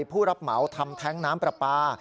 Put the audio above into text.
ผู้รับเหมาทำแท้งน้ำปลาปลา